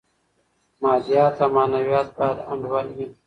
مادیات او معنویات باید انډول وي.